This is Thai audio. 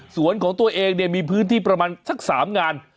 ส่วนของตัวเองเนี่ยมีพื้นที่ประมาณสัก๓งาน